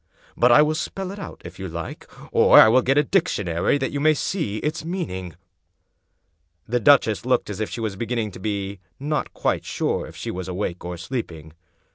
But I will spell it if you like. Or I will get a dictionary, that you may see its meaning." The duchess looked as if she was beginning to be not quite sure if she was awake or sleeping.